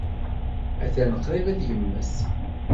Atan qrib ad yemmet.